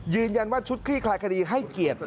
ยืนยันว่าชุดคลี่คลายคดีให้เกียรติ